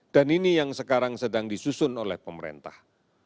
dan ini yang sekarang sedang disusun oleh pemerintah